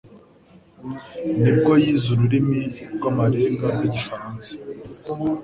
ni bwo yize ururimi rw'amarenga rw'igifaransa.